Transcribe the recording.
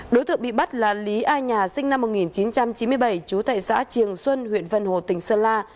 đối tượng bị bắt là lý a nhà sinh năm một nghìn chín trăm chín mươi bảy chú tại xã triềng xuân huyện vân hồ tỉnh sơn la